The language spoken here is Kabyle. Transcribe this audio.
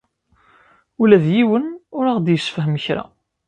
Ula d yiwen ur aɣ-d-yessefhem kra.